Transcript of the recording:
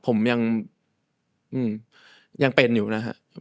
ผมยังเป็นอยู่นะฮะ